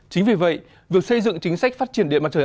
chính vì vậy việc xây dựng chính sách phát triển điện mặt trời